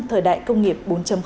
thời đại công nghiệp bốn